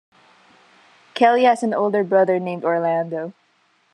Kelly has an older brother named Orlando.